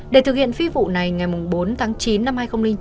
để thực hiện phi vụ này ngày bốn tháng chín năm hai nghìn chín